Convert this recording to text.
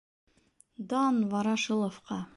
— Дан Ворошиловҡа!